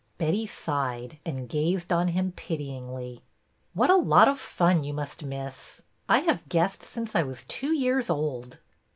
Betty sighed, and gazed on him pityingly. What a lot of fun you must miss ! I have guessed since I was two years old."